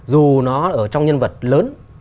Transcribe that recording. dù nó ở trong nhân vật lớn